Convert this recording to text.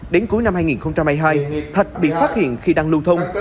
đến cuối năm hai nghìn hai mươi hai thạch bị phát hiện khi đang lưu thông